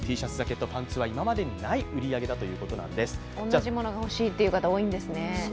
同じものがほしいという方多いんですね。